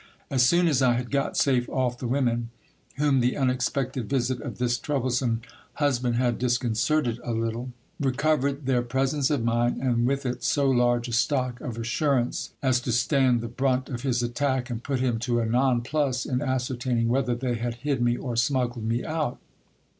As soon as I had got safe off, the women, whom the unexpected visit of this troublesome husband had disconcerted a little, recovered their pre sence of mind, and with it so large a stock of assurance, as to stand the brunt of his attack, and put him to a nonplus in ascertaining whether they had hid me or smuggled me out.